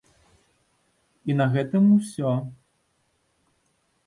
І на гэтым усё.